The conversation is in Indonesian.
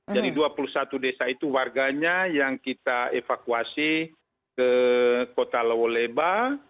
jadi dua puluh satu desa itu warganya yang kita evakuasi ke kota lawo leba